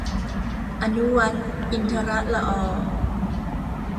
อนุวัฒน์ อินทรต์ละออ